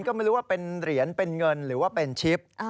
ก็ไม่รู้ว่าเป็นเหรียญเป็นเงินหรือว่าเป็นชิป